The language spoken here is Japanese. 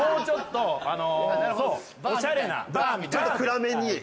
ちょっと暗めに。